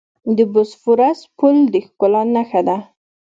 د بوسفورس پل د ښکلا نښه ده.